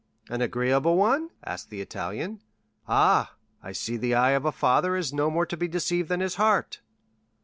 "An agreeable one?" asked the Italian. "Ah, I see the eye of a father is no more to be deceived than his heart."